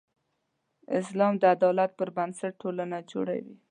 اسلام د عدالت پر بنسټ ټولنه جوړوي.